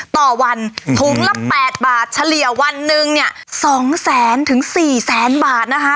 ต่อวันถุงละ๘บาทเฉลี่ยวันหนึ่งเนี่ย๒แสนถึง๔แสนบาทนะคะ